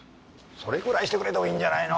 それぐらいしてくれてもいいんじゃないの？